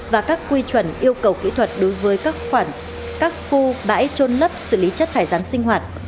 và các quy chuẩn yêu cầu kỹ thuật đối với các khoản các khu bãi trôn lấp xử lý chất thải rắn sinh hoạt